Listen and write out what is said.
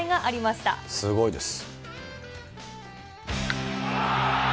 すごいです。